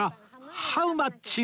ハウマッチ！？